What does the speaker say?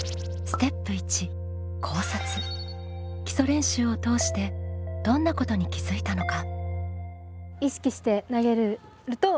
基礎練習を通してどんなことに気づいたのか？